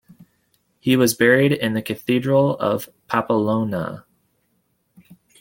He was buried in the Cathedral of Pamplona.